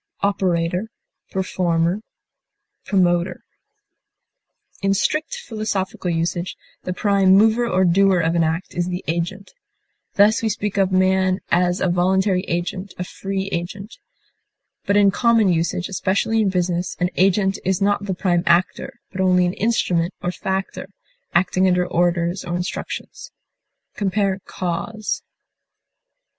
doer, instrument, mover, performer, In strict philosophical usage, the prime mover or doer of an act is the agent. Thus we speak of man as a voluntary agent, a free agent. But in common usage, especially in business, an agent is not the prime actor, but only an instrument or factor, acting under orders or instructions. Compare CAUSE.